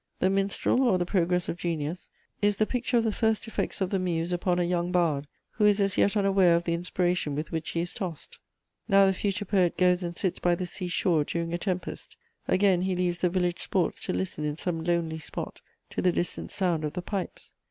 The Minstrel, or the Progress of Genius is the picture of the first effects of the muse upon a young bard who is as yet unaware of the inspiration with which he is tossed. Now the future poet goes and sits by the sea shore during a tempest; again he leaves the village sports to listen in some lonely spot to the distant sound of the pipes.